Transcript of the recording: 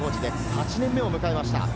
８年目を迎えました。